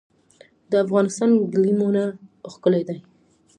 د افغانستان ګلیمونه ښکلي دي